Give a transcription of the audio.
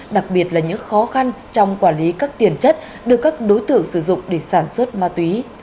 đặc biệt là những khó khăn trong quản lý các tiền chất được các đối tượng sử dụng để sản xuất ma túy